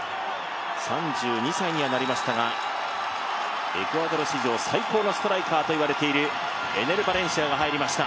３２歳にはなりましたが、エクアドル史上最高のストライカーといわれているエネル・バレンシアが入りました。